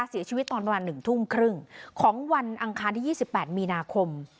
เสียชีวิตตอนประมาณ๑ทุ่มครึ่งของวันอังคารที่๒๘มีนาคม